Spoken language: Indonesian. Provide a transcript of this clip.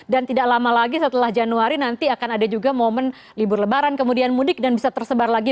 dan tidak lama lagi setelah januari nanti akan ada juga momen libur lebaran kemudian mudik dan bisa tersebar lagi